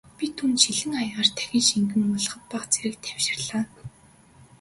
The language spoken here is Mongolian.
Би түүнд шилэн аягаар дахин шингэн уулгахад бага зэрэг тайвширлаа.